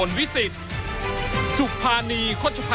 สวัสดีค่ะคุณผู้ชมชูเวทตีแสงหน้าค่ะ